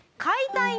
解体。